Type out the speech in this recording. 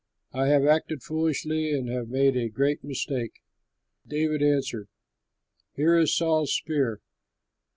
I have acted foolishly and have made a great mistake." David answered, "Here is Saul's spear!